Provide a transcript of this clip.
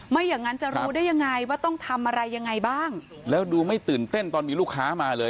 อย่างนั้นจะรู้ได้ยังไงว่าต้องทำอะไรยังไงบ้างแล้วดูไม่ตื่นเต้นตอนมีลูกค้ามาเลย